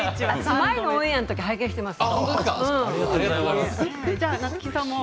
前のオンエアのときに拝見しましたよ。